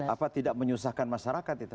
apa tidak menyusahkan masyarakat itu